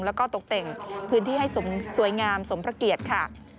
แล้วก็ตกแต่งพื้นที่ให้สวยงามสมพระเกียรติค่ะ